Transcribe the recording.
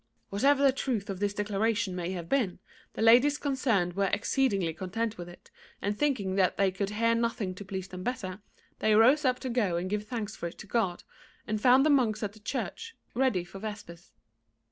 Whatever the truth of this declaration may have been, the ladies concerned were exceedingly content with it, and thinking that they could hear nothing to please them better, they rose up to go and give thanks for it to God, and found the monks at the church, ready for vespers.